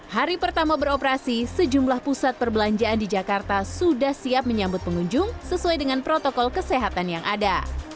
hari pertama beroperasi sejumlah pusat perbelanjaan di jakarta sudah siap menyambut pengunjung sesuai dengan protokol kesehatan yang ada